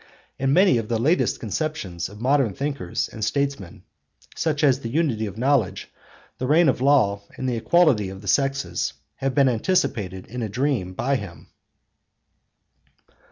And many of the latest conceptions of modern thinkers and statesmen, such as the unity of knowledge, the reign of law, and the equality of the sexes, have been anticipated in a dream by him.